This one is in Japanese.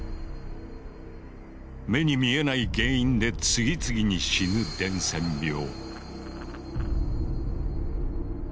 目に見えない原因で次々に死ぬ伝染病。